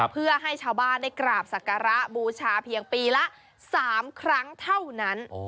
เพื่อให้ชาวบ้านได้กราบศักระบูชาเพียงปีละ๓ครั้งเท่านั้น